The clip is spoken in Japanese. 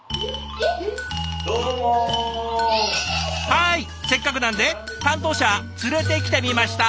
はいせっかくなんで担当者連れてきてみました。